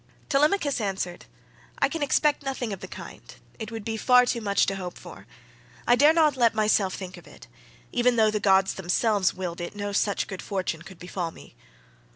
Telemachus answered, "I can expect nothing of the kind; it would be far too much to hope for. I dare not let myself think of it. Even though the gods themselves willed it no such good fortune could befall me."